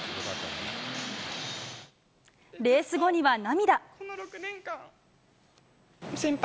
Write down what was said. レース後には涙。